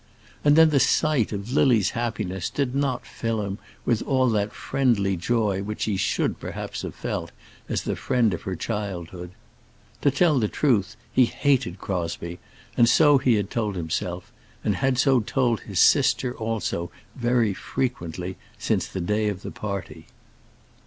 And then the sight of Lily's happiness did not fill him with all that friendly joy which he should perhaps have felt as the friend of her childhood. To tell the truth, he hated Crosbie, and so he had told himself; and had so told his sister also very frequently since the day of the party.